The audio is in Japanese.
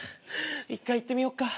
一回いってみよっか。